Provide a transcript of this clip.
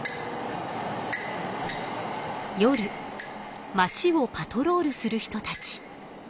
夜まちをパトロールする人たち。